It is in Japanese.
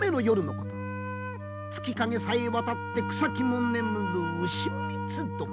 月影さえ渡って草木も眠る丑三つ時。